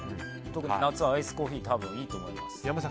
特に夏はアイスコーヒーいいと思います。